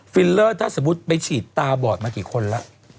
ฟิลเลอร์ถ้าสมมุติไปฉีดตาบอดมากี่คนแล้ว